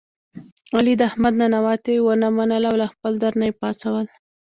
علي د احمد ننواتې و نه منله له خپل در نه یې پا څول.